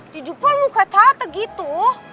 dijumpa luka tata gitu